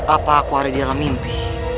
apa aku ada di dalam mimpi